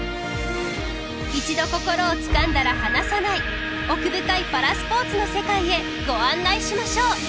一度心をつかんだら離さない奥深いパラスポーツの世界へご案内しましょう。